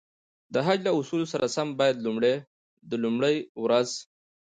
د حج له اصولو سره سم باید لومړی ورځ.